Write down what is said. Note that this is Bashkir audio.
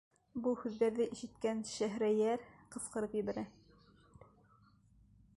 Был һүҙҙәрҙе ишеткән Шәһрейәр ҡысҡырып ебәрә: